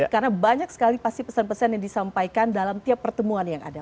karena banyak sekali pasti pesan pesan yang disampaikan dalam tiap pertemuan yang ada